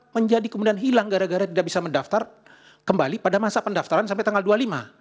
menjadi kemudian hilang gara gara tidak bisa mendaftar kembali pada masa pendaftaran sampai tanggal dua puluh lima